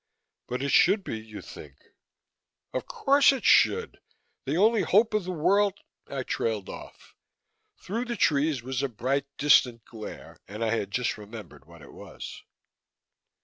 "But it should be, you think?" "Of course it should. The only hope of the world " I trailed off. Through the trees was a bright, distant glare, and I had just remembered what it was.